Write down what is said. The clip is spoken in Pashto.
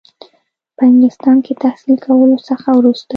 په انګلستان کې تحصیل کولو څخه وروسته.